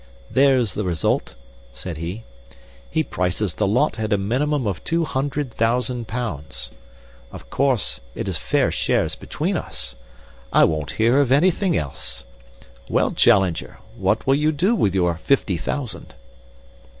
"There's the result," said he. "He prices the lot at a minimum of two hundred thousand pounds. Of course it is fair shares between us. I won't hear of anythin' else. Well, Challenger, what will you do with your fifty thousand?"